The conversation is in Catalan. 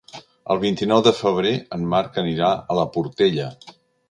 El vint-i-nou de febrer en Marc anirà a la Portella.